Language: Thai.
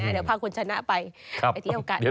เดี๋ยวพาคุณชนะไปไปเที่ยวกัน